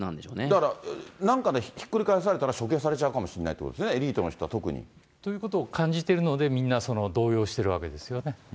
だから、なんかでひっくり返されたら、処刑されちゃうかもしれないということですよね、エリートの人は特に。ということを感じてるので、みんな動揺しているわけですよね。